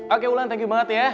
oke ulan thank you banget ya